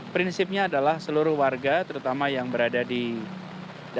prinsipnya adalah seluruh warga terutama yang berada di daerah aliran sungai ciliwung untuk waspada